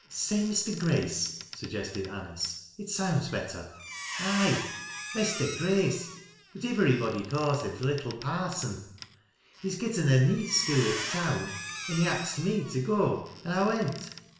" Say, Mr. Grace," suggested Anice. " It sounds better." "Aye — Mester Grace — but ivverybody ca's him th' little Parson. He's getten a neet skoo i' th' town, an' he axed me to go, an' I went.